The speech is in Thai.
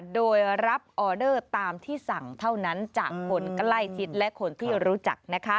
โดยรับออเดอร์ตามที่สั่งเท่านั้นจากคนใกล้ชิดและคนที่รู้จัก